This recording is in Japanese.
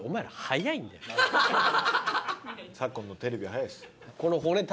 昨今のテレビは早いっす。